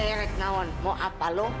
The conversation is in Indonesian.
eh rek nawon mau apa lo